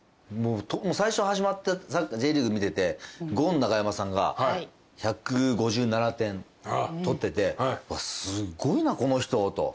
最初始まったＪリーグ見ててゴン中山さんが１５７点取っててすごいなこの人と。